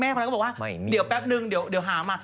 แม่เขาเลยบอกว่าเดี๋ยวแปปนึงเดี๋ยวหามา